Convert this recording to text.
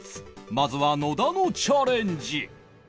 まずは野田のチャレンジ